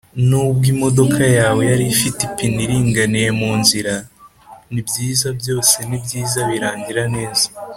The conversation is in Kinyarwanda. nubwo imodoka yawe yari ifite ipine iringaniye munzira. nibyiza, byose nibyiza birangira neza.